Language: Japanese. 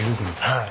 はい。